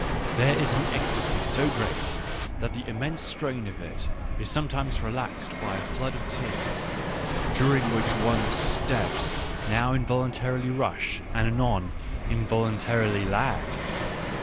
There is an ecstasy so great that the immense strain of it is sometimes relaxed by a flood of tears, during which one's steps now in voluntarily rush and anon involuntarily lag.